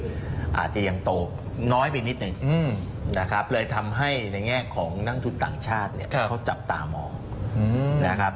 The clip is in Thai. อาจจะยังโตน้อยไปนิดหนึ่งนะครับเลยทำให้ในแง่ของนักทุนต่างชาติเนี่ยเขาจับตามองนะครับ